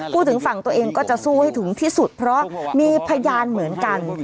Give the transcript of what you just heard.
พูดถึงฝั่งตัวเองก็จะสู้ให้ถึงที่สุดเพราะมีพยานเหมือนกัน